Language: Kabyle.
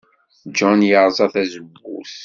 John yerẓa tazewwut.